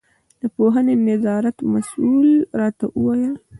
د پوهنې د نظارت مسوول راته وویل.